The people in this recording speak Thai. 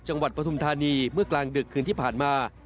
ปฐุมธานีเมื่อกลางดึกคืนที่ผ่านมา